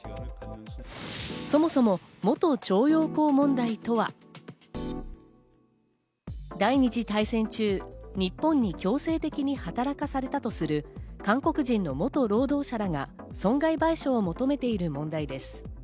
そもそも元徴用工問題とは、第二次大戦中、日本に強制的に働かされたとする韓国人の元労働者らが損害賠償を求めている問題です。